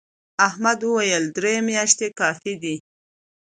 احمد وويل: درې میاشتې کافي دي.